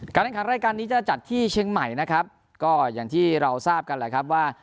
ขันรายการนี้จะจัดที่เชียงใหม่นะครับก็อย่างที่เราทราบกันแหละครับว่า